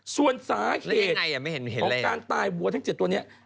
ส่วนสาเหตุของการตายวัวทั้ง๗ตัวนี้